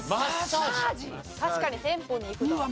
確かに店舗に行くな。